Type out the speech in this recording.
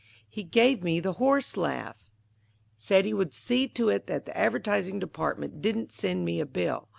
"He gave me the horse laugh; said he would see to it that the advertising department didn't send me a bill.